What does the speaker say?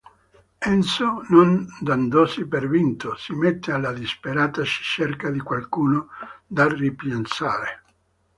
Enzo non dandosi per vinto, si mette alla disperata ricerca di qualcuno da rimpiazzare.